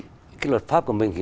thì cái luật pháp của mình